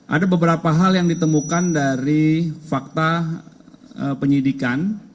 ada beberapa hal yang ditemukan dari fakta penyidikan